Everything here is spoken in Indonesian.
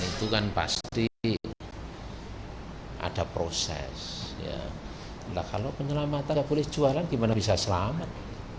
ojk menjelaskan bahwa penyelamatan bumi putra tidak boleh dijualan bagaimana bisa selamat